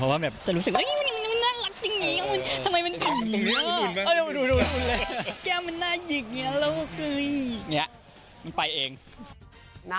ไม่ใช่เสียง๒เสียง๓สิ่ง๘๙๐ไปเลย